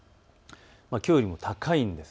きょうよりも高いんです。